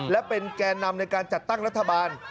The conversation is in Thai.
และเป็นแก่นำในการจัดตั้งรัฐบาล